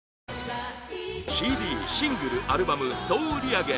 ＣＤシングル・アルバム総売り上げ